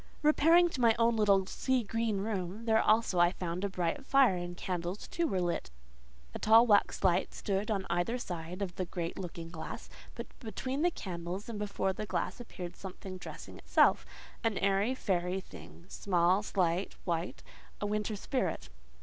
Repairing to my own little sea green room, there also I found a bright fire, and candles too were lit: a tall waxlight stood on each side the great looking glass; but between the candles, and before the glass, appeared something dressing itself—an airy, fairy thing—small, slight, white—a winter spirit.